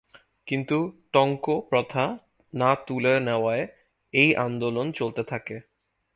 কিন্তু টঙ্ক প্রথা না তুলে নেওয়ায় এই আন্দোলন চলতে থাকে।